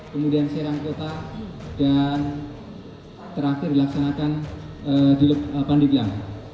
kemudian serang kota dan terakhir dilaksanakan di bandik yang